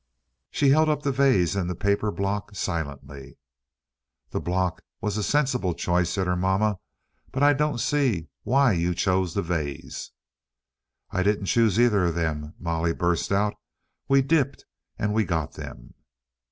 She held up the vase and the paper block silently. "The block was a sensible choice," said her mamma, "but I don't see why you chose the vase." "I didn't choose either of them," Molly burst out. "We dipped and we got them."